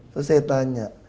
terus saya tanya